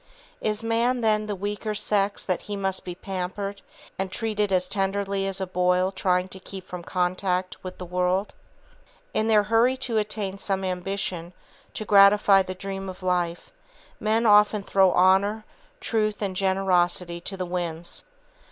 Is man, then, the weaker sex that he must be pampered and treated as tenderly as a boil trying to keep from contact with the world? In their hurry to attain some ambition, to gratify the dream of a life, men often throw honor, truth, and generosity to the winds.